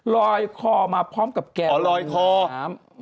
รอยคอมาพร้อมกับแก่ลอยน้ำโขง